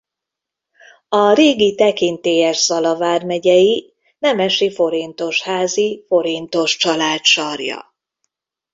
A régi tekintélyes Zala vármegyei nemesi forintosházi Forintos család sarja.